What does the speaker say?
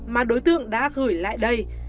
mà đối tượng đã gửi lại đây